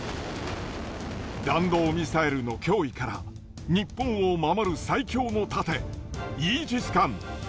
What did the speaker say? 弾道ミサイルの脅威から、日本を守る最強の盾、イージス艦。